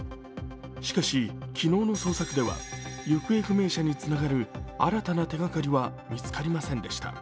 しかし、昨日の捜索では行方不明者につながる新たな手がかりは見つかりませんでした。